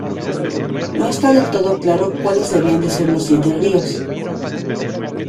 No está del todo claro cuales debían de ser los siete ríos.